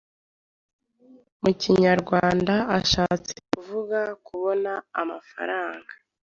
Mu Kinyarwanda ashatse kuvuga kubona amafaranga